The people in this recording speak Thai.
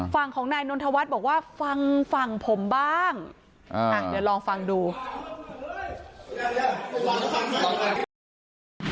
ฝั่งของนายนนทวัฒน์บอกว่าฟังฝั่งผมบ้างเดี๋ยวลองฟังดู